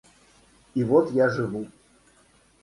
И вот я живу.